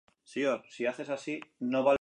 Fue capitán en sus últimos nueve test matches.